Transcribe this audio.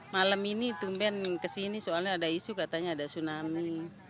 malam ini tumben kesini soalnya ada isu katanya ada tsunami